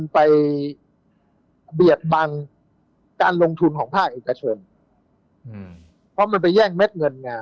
เพราะว่ามันไปแย่งเม็ดเงินน่า